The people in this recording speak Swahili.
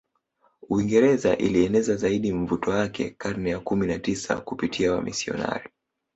Uingereza ilieneza zaidi mvuto wake karne ya kumi na tisa kupitia wamisionari